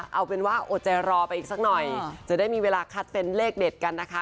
เอาเป็นว่าอดใจรอไปอีกสักหน่อยจะได้มีเวลาคัดเป็นเลขเด็ดกันนะคะ